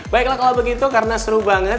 baiklah kalau begitu karena seru banget